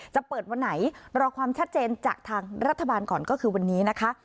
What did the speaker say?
จะเปิดวันไหนรอความชัดเจนจากทางรัฐบาลก่อนก็คือวันนี้นะคะ